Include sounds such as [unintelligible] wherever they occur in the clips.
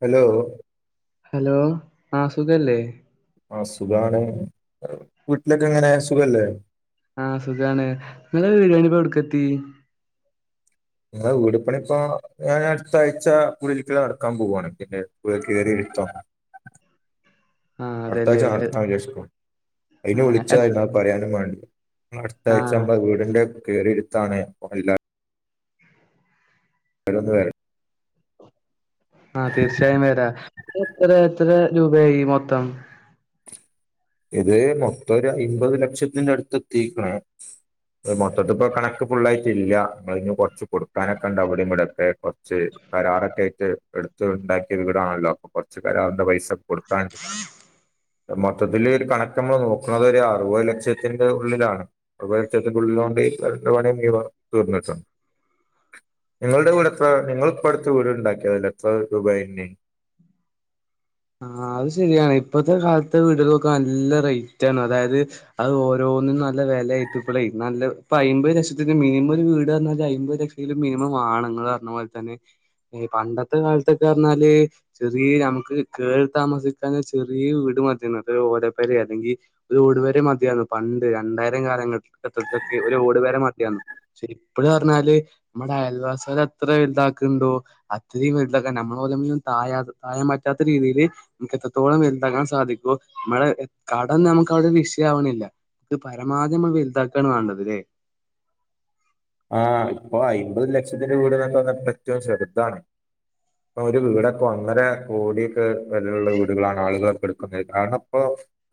Hello hello ആ സുഖല്ലേ ആ സുഖാണ് വീട്ടിലൊക്കെ എങ്ങനെ സുഖല്ലേ ആഹ സുഖാണ് നിങ്ങ ബിരിയാണിപ്പോ കൊടുക്കത്തി വീട്പ്പണി ഇപ്പൊ ഞാൻ അടുത്ത ആഴ്ച പുഴലക്ക നടക്കാൻ പോവുവാണ് പിന്നെ കയറി ത്ത ആ അതല്ലേ അടുത്താഴ്ണ് വിശേഷിക്ക ആ അതിന് വിളിച്ച എത് അ പറയാനും വേണ്ട ആ അടുത്തയച്ചമ്പ വീടിന്റെ കയറിരുത്താാണ് പോണില്ല എല്ലാവരും അന്ന് വരുക ആഹ തീർച്ചയായും വരാ എത്ര എത്ര രൂപയായി മൊത്തം ഇത് മൊത്തം ഒരു അമ്പത് ലക്ഷത്തിന്റെ അടുത്ത് എത്തിക്കണ മൊത്തത്തി ഇപ്പൊ കണക്ക് ഫുുള്ളായിട്ട് ഇല്ല കൊറച്ച് കൊടുക്കാനൊക്കെ ഇണ്ട് അവിടെ ഇവിടൊക്കെ കുറച്ച് കരാറൊക്കെ ആായിട്ട് എടുത്ത് ഉണ്ടാക്കിയ വീടാണല്ലോ അപ്പൊ കൊറച്ച കരാറിന്റെ പൈസ കൊടുക്കാ മൊത്തത്തില്ൽ ഒരു കണക്ക നമ്മൾ നോക്കുന്നത് ഒരു അറുപത് ലക്ഷത്തിന്റെ ഉള്ളിലാണ് അറുപത് ലക്ഷത്തിന്റെള്ളില മെയ്‌ കറന്റ്‌ ഉണങ്ങിയത് തീർന്നട്ടാണ് നിങ്ങളുടെ വീട് എത്ര നിങ്ങ ഇപ്പ അടുത്ത വീട് ഉണ്ടാക്കിയല്ല എത്ര രൂപയായിന്നു ആ അത് ശരിയാണ് ഇപ്പത്തെ കാലത്തെ വീടുകളൊക്കെ നല്ല റേറ്റ് ആണ് അതായത് അത് ഓരോ നല്ല വിലയിട്ടപ്പഴേ നല്ല ഇ അമ്പത് ലക്ഷത്തിന് മിനിമം ഒരു വീട് എന്നാല് അമ്പത് ലക്ഷമെങ്കിലും മിനിമം ആണുങ്ങൾ പറഞ്ഞ പോലെ തന്നെ പണ്ടത്തെ കാലത്തൊക്കെ പറഞ്ഞാല് ചെറിയ നമുക്ക് കേറി താമസിക്കാൻ ചെറിയ വീട് മതിയന്ന് അത് ഓലപ്പരെയൊ അല്ലെങ്കിൽ ഒരു ഓടുപുരയോ മതിയായുന്നു പണ്ട് രണ്ടായിരം കാലങ്ങളൊക്കെ ഒരു ഓട് വരെ മതിയാന്നു ഇപ്പോഴ പറഞ്ഞാല് നമ്മുടെ അയൽ വാസം അത്ര വലുതാക്കുന്നുണ്ടോ അത്രയും വലുതാക്ക നമ്മൾ പോലും താ പറ്റാത്ത രീതിയില് നമക്ക് എത്രത്തോളം വലുതാകാൻ സാധിക്കുവോ നമ്മള് കടം നമുക്ക് അവിടെ വിഷയ ആവണില്ല ഇത് പരമാവധി നമ്മൾ വലുതാക്കാണ് വേണ്ടതല്ലേ [inaudible] ആഹ് ഇപ്പൊ അമ്പത് ലക്ഷത്തിന്റെ വീടന്ന് വന്നിട്ട് ഏറ്റവും ചെറുതാണ് ഇപ്പൊ ഒരു വീടൊക്കെ ഒന്നര കോടിയൊക്കെ വിലയുള്ള വീടുകളാണ് ആളുകളൊക്കെ എടുക്കുന്നത് കാരണം ഇപ്പോ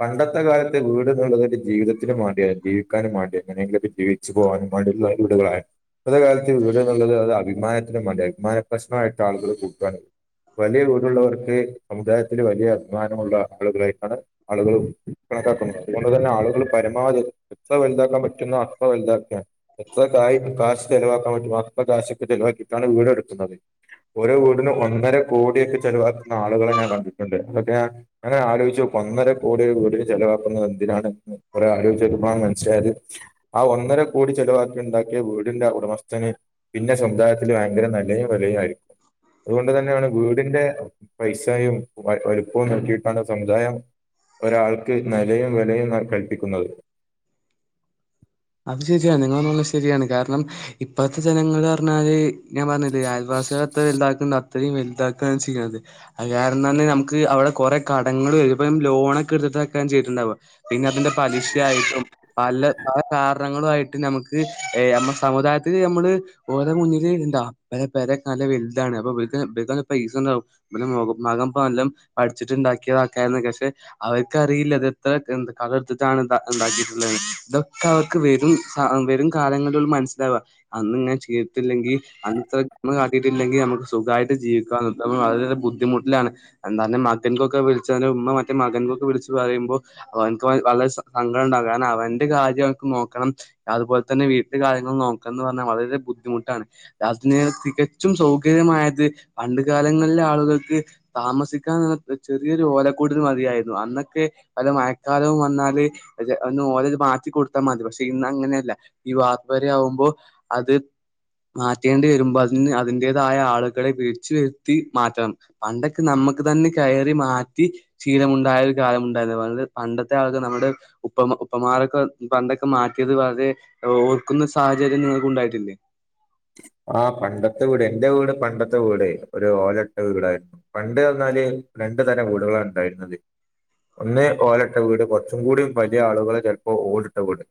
പണ്ടത്തെ കാലത്ത് വീട് എന്നുള്ളത് ഒരു ജീവിതത്തിന് മാണ്ടിയായിരുന്നു ജീവിക്കാനും മാണ്ടിയ അങ്ങനെങ്കിലൊക്ക് ജീവിച്ചു പോകാൻ വണ്ട [unintelligible] വീടുകളായ ഇപ്പൊ ഉള്ള കാലത്ത് വീട് എന്നുള്ളത് അത് അഭിമാനത്തിനും വേണ്ടി അഭിമാന പ്രശ്നമായിട്ട് ആളുകൾ കൂട്ടുവാനും വലിയ വീടുള്ളവർക്ക് സമുദായത്തില് വലിയ അഭിമാനമുള്ള ആളുകളായിട്ടാണ് ആളുകളും അതുകൊണ്ടു തന്നെ ആളുകൾ പരമാവധി എത്ര വലുതാക്കാൻ പറ്റുന്നോ അത്ര വലുതാക്കിയാണ് എത്ര കാശ് ചിലവാ കാശൊക്കെ ചെലവാക്കിയിട്ടാണ് വീടെടുക്കുന്നത് ഓരോ വീടിനും ഒന്നര കോടിയൊക്കെ ചെലവാ- ആളുകളെ ഞാൻ കണ്ടിട്ടുണ്ട് അതൊക്കെ ഞാൻ ആലോചിച്ചു നോക്കും ഒന്നര കോടി കൂടി ചെലവാക്കുന്നത് എന്തിനാണ് കുറെ അധിക ചെലവാണെന്നു മനസ്സിലായത് ആ ഒന്നര കോടി ചെലവാ ഉണ്ടാക്കിയ വീടിന്റെ ഉടമസ്ഥന് പിന്നെ സമുദായത്തിൽ ഭയങ്കര നിലയും വിലയും ആയിരിക്കും അതുകൊണ്ട് തന്നെയാണ് വീടിന്റെ പൈസയും വലുപ്പവും നോക്കിയിട്ടാണ് സമുദായം ഒരാൾക്ക് നിലയും വിലയും കൽപ്പിക്കുന്നത് അത് ശരിയാണ് നിങ്ങ പറഞ്ഞത് ശരിയാണ് കാരണം ഇപ്പോഴത്തെ ജനങ്ങള് പറഞ്ഞാല്- ഞാൻ പറഞ്ഞില്ലേ അയൽവാസികളുടെ എടുത്തു ഇത്‌ ആക്കുന്ന അത്രയും വലുതാക്കുകാണ് ചെയ്യുന്നത് അത് കാരണം നമുക്ക് അവിടെ കുറെ കടങ്ങൾ വരും ഇപ്പ ലോണൊക്കെ എടു- ചെയ്തിട്ടുണ്ടാവ പിന്നെ അതിന്റെ പലിശ ആയിട്ടും പല- കാരണങ്ങളുമായിട്ട് നമുക്ക് നമ്മ സമുദായത്തിൽ നമ്മള് ഓര മുന്നില് ഉണ്ടാ വലുതാണ് അപ്പൊ ഇവർക്കൊക്കെ പൈസയുണ്ടാകും മകൻ ഇപ്പോ വല്ലതും പഠിച്ചിട്ടുണ്ടാക്കിയ- പക്ഷെ അവർക്കറിയില്ല അത് എത്ര എന്ത്‌ കടം എടുത്തിട്ടാണ് ഉണ്ടാക്കിയിട്ടുള്ളത് ഒ അവർക്ക് വെരും വെരും കാലങ്ങളില ഉള്ള മനസ്സിലാവുക അന്നങ്ങനെ ചെയ്ട്ടില്ലെങ്കിൽ അന്നത്തെ നമ്മ കാട്ടിട്ടില്ലെങ്ക നമുക്ക് സുഖമായിട്ട് ജീവിക്കണ് വളരെ ബുദ്ധമുട്ടിലാണ് എന്താണ് മക്കൾക്കൊക്ക - വിളിച്ചവന്റെ ഉമ്മ മറ്റേ മകൻ എന്നൊക്കെ വിളിച്ച് പറയുമ്പോ അവനിക്ക് വളരെ സങ്കടം ഉണ്ടാകും കാരണം അവന്റെ കാര്യ- നോക്കണം അതുപോലെ തന്നെ വീട്ടില് കാര്യങ്ങൾ നോക്കണമെന്ന് പറഞ്ഞാൽ വളരെ ബുദ്ധിമുട്ടാണ് അതിന്- തികച്ചും സൗകര്യമായത് പണ്ട് കാലങ്ങളിലെ ആളുകൾക്ക് താമസിക്കാൻ ചെറിയ ഓലക്കൂടിൽ മതിയായിരുന്നു അന്നൊക്കെ വെല മഴക്കാലവും വന്നാല് ഓല ഒക്കെ മാറ്റി കൊടു മതി പക്ഷെ ഇന്ന് അങ്ങനെയല്ല ഈ വാർക്പ്പെരെ ആവുമ്പോ അത് മാറ്റേണ്ടി വരുമ്പോ അതിന് അതിന്റേതായ ആളുകളെ വിളിച്ചു വരുത്തി മാറ്റണം പണ്ടൊക്കെ നമ്മ നമക്ക് തന്നെ കയറി മാറ്റി ശീലമുണ്ടായ കാലമുണ്ടായിരുന്നു വളരെ പണ്ടത്തെ ആൾക്ക് നമ്മുടെ ഉപ്പ പ്പമാരൊക്കെ പണ്ടൊക്കെ മാറ്റിയത് വളരെ ഓർക്കുന്ന സാഹചര്യം നിങ്ങൾക്ക് ഉണ്ടായിട്ടില്ലേ? ആഹ് പണ്ടത്തെ വീട് എന്റെ വീട് പണ്ടത്തെ വീട് ഒരു ഓലട്ട വീടായിരുന്നു പണ്ട് എന്നാല് രണ്ടു തരം വീടുകളാണ് ഉണ്ടായിരുന്നത്. ഒന്നേ ഓലട്ട വീട് കുറച്ചും കൂടിയും വലിയ ആളുകളെ ചിലപ്പോൾ ഓടിട്ട വീട്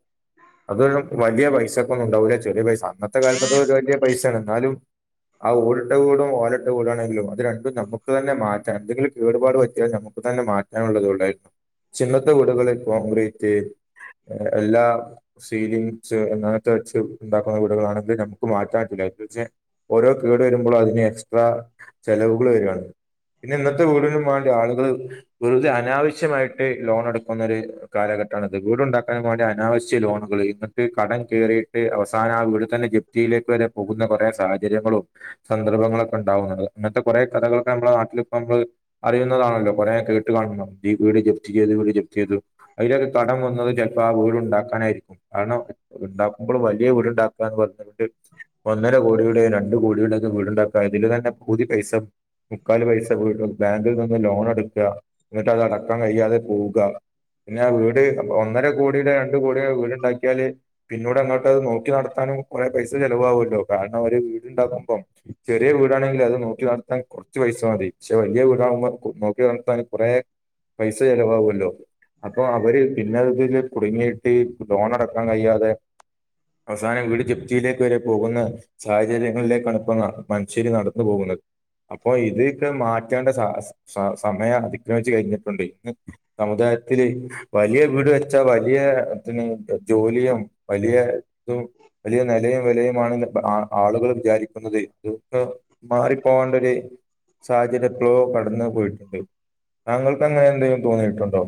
അതൊരു വലിയ പൈസക്കൊന്നും ഉണ്ടാവൂല ചെറിയ പൈസ അന്നത്തെ കാലത്ത് അത് വലിയ പൈസയാണ് എന്നാലും ആ ഓടിട്ട വീടും ഓലിട്ട വീടുമാണെങ്കിലും അത് രണ്ടും നമുക്ക് തന്നെ മാറ്റാം എന്തെങ്കിലും കേടുപാട് പറ്റിയാൽ നമുക്ക് തന്നെ മാറ്റാനുള്ളത് ഉള്ളായിരുന്നു പക്ഷെ ഇന്നത്തെ വീടുകളിൽ കോൺക്രീറ്റ് എല്ലാ സീലിങ്സ് അങ്ങനത്തെ വെച്ച് ഉണ്ടാക്കുന്ന വീടുകളാണെങ്കിൽ നമു മാറ്റാൻ [unintelligible] ഓരോ കേട് വരുമ്പളും. അതിന് എക്സ്ട്രാ ചെലവുകള് വരാണ് പിന്നെ ഇന്നത്തെ വീടിനും വേണ്ടി ആളുകള് വെറുതെ അനാവശ്യമായിട്ട് ലോണെടുക്ക്ന്നൊരു കാലഘട്ടാണ് ഇത്. വീടുണ്ടാക്കാനും വേണ്ടി അനാവശ്യ ലോണുകള്. എന്ന്ട്ട് കടം കേറിയിട്ട് അവസാനാ ആ വീടിതന്നെ ജെപ് തീയിലേക്ക് വരെ പോകുന്ന കൊറെ സാഹചര്യങ്ങളും സന്ദർഭങ്ങളൊക്കെണ്ടാവും. ഇങ്ങൻത്തെ കൊറേ കഥകളൊക്കെ നമ്മള നാ നമ്മ അറിയുന്നതാണല്ലൊ. കൊറേ കേട്ട് കാണുന്ന ഈ വീട് ജപ്തി ചെയ്യല് വീട് ജെപ് ചീത് അയിലൊക്കെ കടം വന്നത് ചെലപ്പൊ ആ വീടുണ്ടാക്കാനായിരിക്കും. കാരണം ഇണ്ടാക്കുമ്പളും വലിയ വീട്ണ്ടാക്കാന്ന് പറഞ്ഞിട്ട് ഒന്നര കോടിയുടെയും രണ്ടു കോടിയുടെക്കെ വീട്ണ്ടാക്ക അതില് തന്നെ പൗതി പൈസ മുക്കാല് പൈസ വീടും ബാങ്കിൽ നിന്ന് ലോണെട്ക്ക എന്നിട്ട് അത് അടക്കാൻ കയ്യാതെ പോക പിന്നാ വീട് ഒന്നര കോടി രണ്ട് കോടിടെ വീട്ണ്ടാക്കിയാല് പിന്നോട് അങ്ങോട്ട് അത് നോക്കി നടത്താന് കൊറേ പൈസ ചെലവു ആവുല്ലോ കാരണം ഒരു വീട്ണ്ടാക്കുമ്പം ചെറിയ വീടാണെങ്കില് അത് നോക്കി നട താൻ കൊറച്ച് പൈസ മതി. പഷെ വല്യ വീടാവുമ്പൊ നോക്കി നടത്താന് കൊറേ പൈസ ചെലവാവോല്ലൊ അപ്പൊ അവര് പിന്നെ ഇതില് കുടുങ്ങിയിട്ട് ലോണടക്കാൻ കയ്യാതെ അവസാന വീട് ജെപ് യിലേക്ക് വരെ പോകുന്ന സാഹചര്യങ്ങളിലേക്കാണ് ഇപ്പൊ ന്ന മനുഷ്യര് നടന്നു പോകുന്നത്. അപ്പൊ ഇത്ക്കെ മാറ്റേണ്ട സ സ സമയം അതിക്ക്രമിച്ചു കഴിഞ്ഞിട്ടുണ്ട് ഇന്ന് സമുദായ ത്തില് വലിയ വീട് വച്ചാ വലിയ പിന്നെ ജോലിയും വലിയാ തും നെലയും വിലയുമാണെന്ന് ആ ആളുകള് വിചാരിക്കുന്നത് മാറിപ്പോവണ്ടൊര് സാഹചര്യപ്പളോ കടന്ന് പോയിട്ട്ണ്ട്. താങ്കൾക്കങ്ങനെ എന്തേ തോന്നിയിട്ടുണ്ടോ?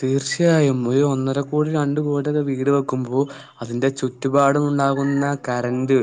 തീർച്ചയായും ഒരു ഒന്നര കോടി രണ്ട് കോടിടെ വീട് വെക്കുമ്പൊ അതിന്റെ ചുറ്റുപാടും ണ്ടാകുന്ന കരന്റ്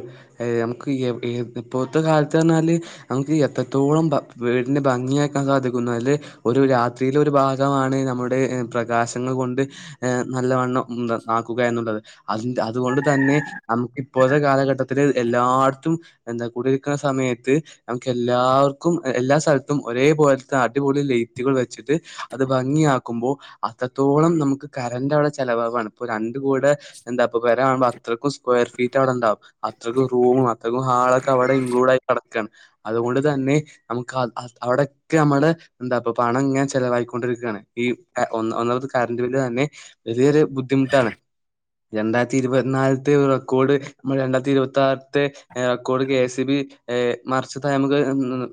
ഏഹ് ഞമക്ക് ഇ ഇപ്പത്തെ കാലത്ത്റഞ്ഞാല് ഞമക്ക് എത്ര ത്തോളം ഭം വീടിന് ഭംഗിയാക്കാൻ സാധിക്കുന്നു അയല്ലെ ഒരു രാത്രിയിലൊരു ഭാഗമാണ് നമ്മുടെ ഏഹ് പ്രകാശങ്ങൾ കൊണ്ട് ഏഹ് നല്ലവണ്ണം ന്ത ആക്കുക എന്നുള്ളത്. അതിന്റെ അതുകൊണ്ട് തന്നെ നമ്ക്ക് ഇപ്പത്തെ കാലഘട്ടത്തില് എല്ലാട്ത്തും എന്താ കുടിരിക്ക്ണ സമയത്ത് നമുക്കെല്ലാവ ക്കും എല്ലാ സ്ഥലത്തും ഒരേ പോല്ത്തെ അടിപൊളി ലൈയറ്റുകൾ വച്ചിട്ട് അത് ഭംഗിയാക്കുമ്പൊ അത്രത്തോളം നമക്ക് കരന്റവ്ടെ ചെലവവാണ്. ഇപ്പൊ രണ്ട് കോട് ടെ എന്താപൊ പെരാവുമ്പോ അത്രക്കും സ്കൊയ ഫീറ്റവ്ടെണ്ടാവും. അത്രക്കും റൂമും അത്രക്കും ഹാളൊക്കെ അവ്ടെ ഇൻക്ലൂഡായി കടക്കാണ് അതുകൊണ്ട് തന്നെ നമുക്ക് അ അ അവിടൊക്കെ നമ്മളെ എന്താപൊ പണങ്ങനെ ചെലവായിക്കൊണ്ടിരിക്കാണ്. ഈ ഒ ഒന്നാമതെ കറന്റ് ബില്ല് തന്നെ വലേര് ബുദ്ധിമുട്ടാണ്. രണ്ടായിരത്തി ഇരുപത് നാല്ത്തെ റെക്കോർഡ് രണ്ടായിരത്തി ഇരുപത്തി ആറിത്തെ റെക്കോർഡ് കെ. എസ്സീ ബി ഏഹ് മറിച്ച് ത ഞമക്കയ് മ് മ്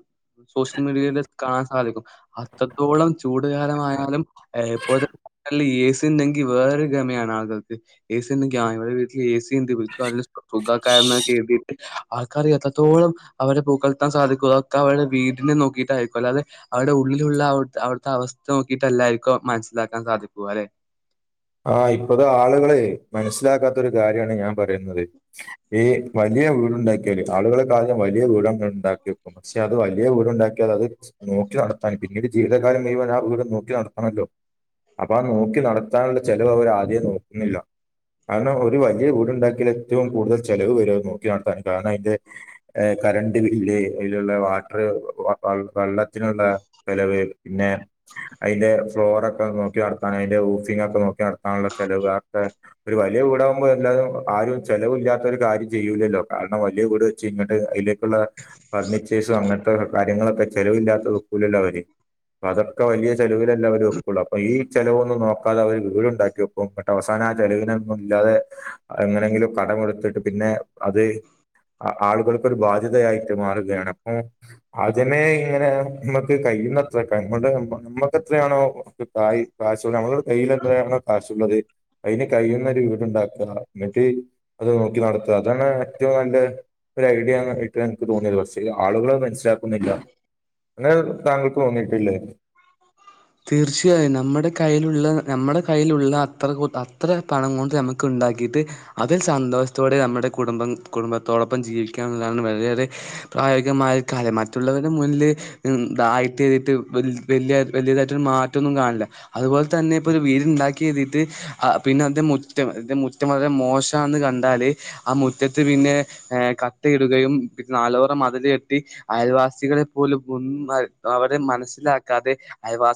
സോഷ്യൽ മീഡിയേല് കാണാൻ സാധിക്കും. അത്രത്തോളം ചൂടുകാലമായാലും ഇപ്പോഴ്ത്തെ [unintelligible] എസി ഉണ്ടെങ്കിൽ വേറൊരു ഗമാണ് ആളുകൾക്ക്. [inaudible] ആ [unintelligible] വീട്ടില് ഏസി എസീണ്ട് ഇബൽക് നല്ല സുഖകാരംന്നൊ കര്തീട്ട് ആൾക്കാര് എത്രത്തോളം അവരെ പൂക്കൾത്താൻ സാധി തൊക്കെ അവര്ടെ വീടിനെ നോക്കിയിട്ടായിരിക്കും. അല്ലാതെ അവര്ടെ ഉള്ളിലുള്ള അവിട്ത്തെ അവസ്ഥ നോക്കീട്ടല്ലായിരിക്കും [inaudible] മനസ്സിലക്കാൻ സാധിക്കു ആരെ ആഹ് ഇപ്പത് ആള്കള് മനസ്സിലാകാത്തൊരു കാര്യാണ് ഞാൻ പറയ്ന്നത് ഈ വലിയ വലിയ വീടുണ്ടാക്കിയാല് [inaudible] വലിയ വീട് [unintelligible] വെക്കും. പക്ഷെ അത് വലിയ വീട്ണ്ടാക്കിയാല് അത് നോക്കി നടത്താൻ പിന്നീട് ജീവിതകാലം മുഴുവൻ ആ വീട് നോക്കി നടത്തണല്ലൊ അപ്പൊ ആ നോക്കി നടത്താന്ള്ള ചെലവ് അവരാദ്യേ നോക്ക്ണില്ല കാരണം ഒരു വലിയ വീടുണ്ടാക്കിയല് ഏറ്റവും കൂടുതല് ചെലവ് വര നോക്കി നടത്താൻ കാരണം അതിന്റെ കറണ്ട് ബില്ല് അയില്ള്ള വാട്ടറ് വെള്ളത്തിന്ള്ള ചെലവ് പിന്നെ അതിന്റെ ഫ്ലോറൊക്കെ നോക്കി നടത്താന് അതിന്റെ വൂഫിംഗൊക്കെ നോക്കി നടത്താന്ള്ള ചെലവ് അതൊകെ ഒരു വലിയ വീടാവുമ്പൊ എല്ലാരും ആരും ചെലവില്ലാത്തൊരു കാര്യം ചെയ്യൂല്ലല്ലൊ കാരണം വലിയ വീട് വെച്ച് ഇങ്ങട്ട് പ്ള്ള ഫർണിച്ചേഴ്സും അങ്ങൻത്തെ കാര്യങ്ങളൊക്കെ ചെലവില്ലാത്തത് വെക്കൂലല്ലൊ അവര് അതൊക്കെ വല ചിലവിലല്ലേ അവര് ഒക്കുള്ളൂ അപ്പ ചലവൊന്നും നോക്കാതെ അവര് വീട് ഉണ്ടാക്കി വെക്കും മറ്റ അവസാനം ആ ചെലവിനൊന്നും ഇല്ലാതെ എങ്ങനെങ്കിലും കടമ കൊടുത്തിട്ട് പിന്നെ അത് ആളുകൾക്കൊ ഒരു ബാധ്യതയായിട്ട് മാറുകയാണ് അപ്പൊ അതിനെ ഇങ്ങനെ നമക്ക് കൈ [inaudible] നമ്മക്കെത്രയാണോായ. കാശ്നമ്മളുടെ കയ്യില എത്രയാണോ കാശുള്ളത് അതിന് കൈിയ്യുന്നൊരു വീട്ണ്ടാക്കുക എന്നിട്ട് അത് നോക്കി നടത്തുക അതാണ് ഏറ്റ നല്ല ഒരു ഐഡിയട്ട് എനിക്ക് തോന്നിയത് പക്ഷേ. ആളുക ൾമനസിൽ [unintelligible] അങ്ങനെ താങ്കൾക്ക് വന്നിട്ടില്ല തീർച്ചയായും നമ്മുടെ കൈയിലുള്ള നമ്മുടെ കയ്യിലുള്ള അത്ര അത്ര പണം കൊണ്ട് നമുക്ക് ഉണ്ടാക്കിയിട്ട് അതിൽ സന്തോഷത്തോടെ നമ്മുടെ കുടുംബം കുടുംബത്തോടൊപ്പം ജീവിക്കാം എന്നുള്ളതാണ് വളരെയേറെ പ്രായോഗികമായ കാല മറ്റുള്ളവരുടെ മുന്നിൽതായിട്ട് എ്തിട്ട് വലിയ വലിയ മാറ്റന്നും കാണില്ല അതുപോലെ തന്നെ ഇപ്പൊ വീട്ണ്ടാക്കി എഴുതിട്ട് പിന്നെന്റെ മുറ്റം മുറ്റം വളരെ മോശാന്ന് കണ്ടാൽആ മുറ്റത്ത് പിന്നെകട്ടെടുകയും ന മതിൽ കെട്ടി അയൽവാസികളെ പോലും ഒ അവരെ മനസ്സിലാക്കാതെ അയവാ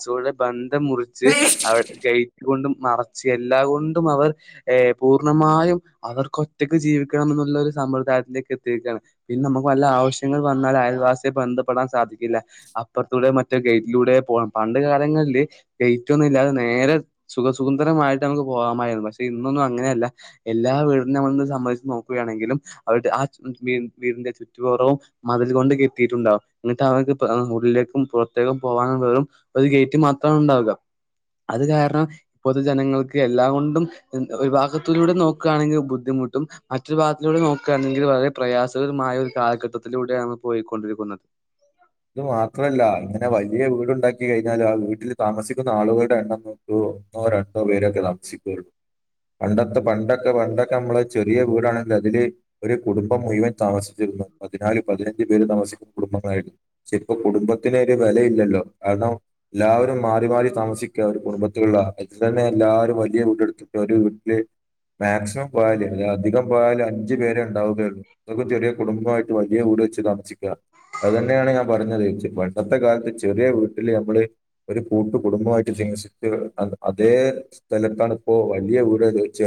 ബന്ധം മുറിച്ച് അവ [inaudible] മറച്ച് എല്ലാ കൊണ്ടും അവർ പൂർണ്ണമായും അവർക്ക് ഒറ്റക്ക് ജീവിക്കണം എന്നുള്ള ഒരു സമ്പ്രദായത്തിലേക്ക് എത്തിുകയാണ് പിന്നെ നമുക്ക് നല്ല ആവശ്യങ്ങൾ വന്നാൽ അയൽവാസ ബന്ധപ്പെടാൻ സാധിക്കില്ല അപ്പറത്തൂടെ മറ്റേ ഗൈറ്റിലൂടെ പോ പ കാലങ്ങളിൽ കറ്റൊന്നും ഇല്ലാതെ നേരെ സുഖസുന്രമായിട്ട് നമുക്ക് പോകാമായിരുന്നു പക്ഷെ ഇന്നൊന്നും അങ്ങനല്ല എല്ലാ വീടിനും നമ്മ സംബന്ധിച്ച് നോക്കുകയാണെങ്കിലും [unintelligible] കുറവും മതിൽ കൊണ്ട് കെട്ടയിട്ടുണ്ടാവും എന്നിട്ട് അവർക്ക് ഉള്ളിലേക്കും പുറത്തേക്കും പോകാനുള്ളും അത് ഗേറ്റ് മാത്ര ഉണ്ടാവകുക അത് കാരണം ഇപ്പോത്തെ ജനങ്ങൾക്ക് എല്ലാം കൊണ്ടും വിഭാഗത്തിലൂടെ നോക്കുകയാണെങ്കിൽ ബുദ്ധിമു ബുദ്ധിമുട്ട മറ്റൊരു ഭാഗത്തിലൂടെ നോക്കുകയാണെങ്കിൽ വളരെ പ്രയാസകരമായ ഒരു കാലഘട്ടത്തിലൂടെയാണ് പോയിക്കൊണ്ടിരിക്കുന്നത് [inaudible] ഇത് മാത്രല്ല ഇങ്ങനെ വലിയ വീടുണ്ടാക്കി കഴിഞ്ഞാൽ ആ വീട്ടിൽ താമസിക്കുന്ന ആളുകളുടെ എണ്ണം നോക്കൂ ഒന്നോ രണ്ടോ പേരൊക്കെ താസിക്കള്ളു പണ്ടത്തെ പണ്ടൊക്കെ പണ്ടൊക്കെ നമ്മള് ചെറിയ വീടാണെങ്കിൽ അതില് ഒരു കുടുംബം മുഴുവൻ താമസിച്ചു ന്ന് പതിനാല് പതിനഞ്ച് പേര് താമസിക്കുന്ന കുടുംബങ്ങളായിരുന്നു ഇപ്പോ കുടുംബത്തിന് ഒരു വിലയില്ലല്ലോ കാരണം എല്ലാവരും മാറി മാറി താമസിക്കുക ഒരു കുടുംബത്തില [inaudible] എല്ലാരും വലിയ വീട്ടില് മാക്സിമം പോയല് അധികം പോയാൽ അഞ്ചുപേര് പേരെ ഉണ്ടാവുകയുള്ളു ഇതൊക്കെ ചെറിയ കുടുംബമായിട്ട് വലിയ വ താമസിക്കുക അത് തന്നെയാണ് ഞാൻ പറഞ്ഞത് പണ്ടത്തെ കാലത്ത് ചെറിയ വീട്ടില് നമ്മള് ഒരു കൂട്ട കുടുംബമായിട്ട് ജീവിച്ചിട്ട് അതേ സ്ഥലത്താണ ഇപ്പോ വലിയ വീട് ച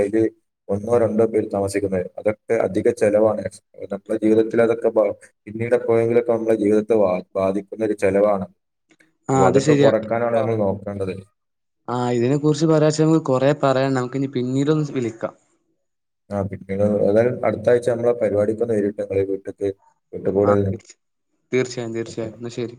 ഒന്നോ രണ്ടോ പേര് താമസിക്കുന്നത് അതൊക്കെ അധിക ചെലവാണ് നമ്മ ജീവിതത്തിൽ അതൊക്കെ പിന്നീട് പോയെങ്കിലൊക്കെ നമ്മളെ ജീവിതത്തെ ബാധിക്കുന്നൊ ഒരു ചെിലവാണ് അതൊക്കെ കുറക്കാനാണ് നമ്മൾ നോക്കേണ്ടത് ആഹ് ഇതിനെ കുുറിച്ച് പറയാച്ച നമുക്ക് കൊറെ പറയണം നമുക്ക് ഇ പിന്നീട്ൊന്ന് വിളിക്കാം ആ പിന്നീ തായാലും അടുത്താഴ്ച നമ്മളെ പരിപാടിക്കൊന്നന്ന് വരുംട്ട് ങ്ങെ വീട്ടക്ക് വിട്ട ആ കൂടേ തീർച്ച തീർച്ചയായും തീർച്ചയായും എന്നാ ശരി